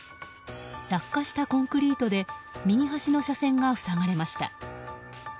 落下したコンクリートで右端の車線が塞がれました。